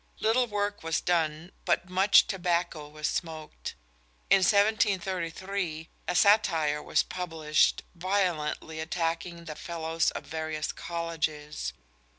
Little work was done, but much tobacco was smoked. In 1733 a satire was published, violently attacking the Fellows of various colleges.